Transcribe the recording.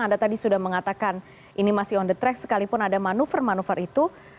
anda tadi sudah mengatakan ini masih on the track sekalipun ada manuver manuver itu